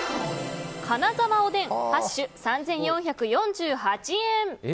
金澤おでん、８種、３４４８円。